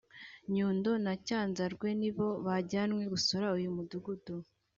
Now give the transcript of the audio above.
Nyundo na Cyanzarwe nibo bajyanywe gusura uyu mudugudu